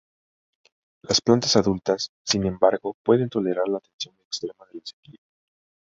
Las plantas adultas, sin embargo, pueden tolerar la tensión extrema de la sequía.